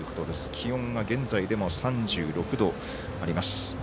気温が現在でも３６度あります。